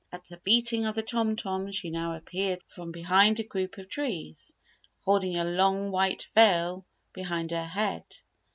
At the beating of the tom toms she now appeared from behind a group of trees, holding a long white veil behind her head.